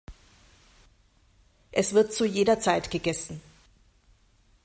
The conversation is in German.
Es wird zu jeder Zeit gegessen.